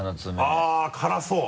あぁ辛そう！